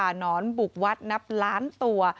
หนอนบุกวัดนับล้านตัว